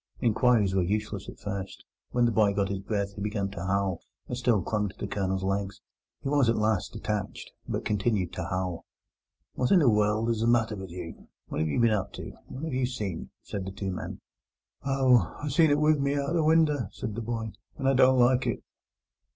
Inquiries were useless at first. When the boy got his breath he began to howl, and still clung to the Colonel's legs. He was at last detached, but continued to howl. "What in the world is the matter with you? What have you been up to? What have you seen?" said the two men. "Ow, I seen it wive at me out of the winder," wailed the boy, "and I don't like it."